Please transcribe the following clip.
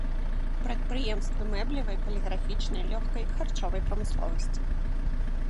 Прадпрыемствы мэблевай, паліграфічнай, лёгкай, харчовай прамысловасці.